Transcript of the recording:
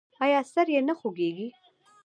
ایا سر یې نه خوږیږي؟